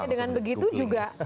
dengan begitu juga